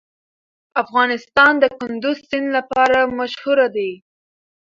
افغانستان د کندز سیند لپاره مشهور دی.